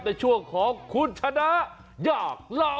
ในช่วงของคุณชนะอยากเล่า